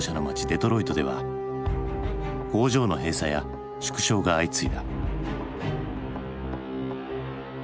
デトロイトでは工場の閉鎖や縮小が相次いだ。